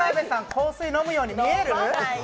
香水飲むように見える？